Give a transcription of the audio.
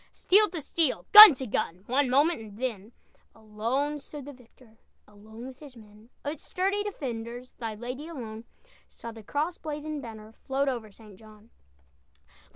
Steel to steel, gun to gun, One moment, and then Alone stood the victor, Alone with his men! "Of its sturdy defenders, Thy lady alone Saw the cross blazoned banner Float over St. John."